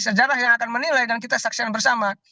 sejarah yang akan menilai dan kita saksikan bersama